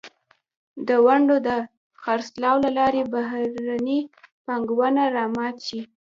د ونډو د خرڅلاو له لارې بهرنۍ پانګونه را مات شي.